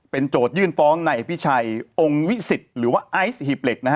โจทยื่นฟ้องในอภิชัยองค์วิสิตหรือว่าไอซ์หีบเหล็กนะฮะ